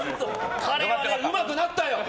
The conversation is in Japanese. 彼はうまくなったよ。